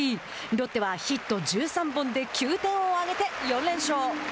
ロッテはヒット１３本で９点を挙げて４連勝。